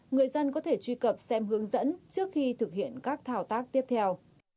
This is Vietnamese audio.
người dân có thể truy cập xem hướng dẫn trước khi thực hiện các thao tác tiếp theo